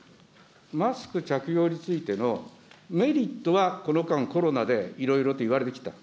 マスク着用についてのメリットは、この間、コロナでいろいろと言われてきた。